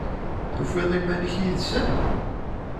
Tufiḍ iman-ik yid-sen?